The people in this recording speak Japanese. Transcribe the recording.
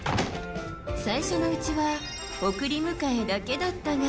最初のうちは送り迎えだけだったが。